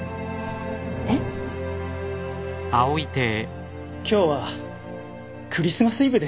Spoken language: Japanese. えっ？今日はクリスマスイブです。